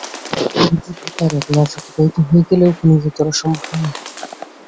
অভিজিৎ হত্যার এক মাস অতিবাহিত হয়ে গেলেও খুনিদের ধরা সম্ভব হয়নি।